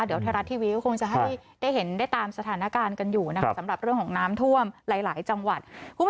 เดี๋ยวไทยรัฐทีวีก็คงจะให้ได้เห็นได้ตามสถานการณ์กันอยู่นะคะสำหรับเรื่องของน้ำท่วมหลายจังหวัด